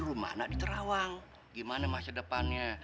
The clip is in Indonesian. gimana di terawang gimana masa depannya